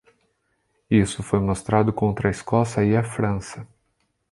Isso foi mostrado contra a Escócia e a França.